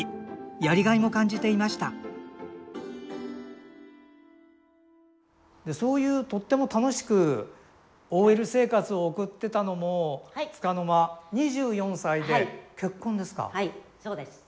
やりがいも感じていましたでそういうとっても楽しくＯＬ生活を送ってたのもつかの間２４歳で結婚ですか？